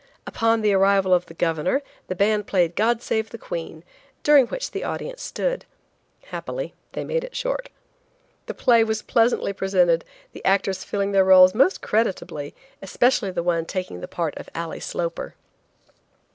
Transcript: Upon the arrival of the Governor the band played "God Save the Queen," during which the audience stood. Happily, they made it short. The play was pleasantly presented, the actors filling their roles most creditably, especially the one taking the part of Alley Sloper.